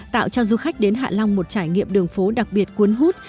tạo cho du khách đến hạ long một trải nghiệm đường phố đặc biệt cuốn hút